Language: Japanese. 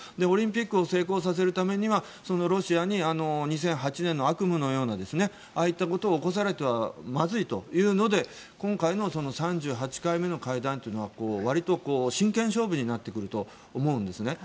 オリンピックを成功させるためにはロシアに２００８年の悪夢のようなああいったことを起こされてはまずいというので今回の３８回目の会談はわりと真剣勝負になってくると思うんです。